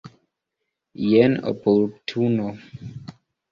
Jen oportuno.